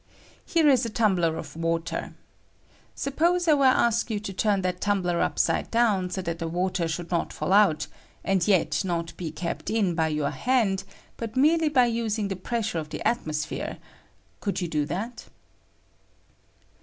Here is a tumbler I of water. Suppose I were to ask you to turn I that tnmbler upside down so that the water should not fall out, and yet not be kept in by your hand, but merely by using the pressure of : the atmosphere ; could you do that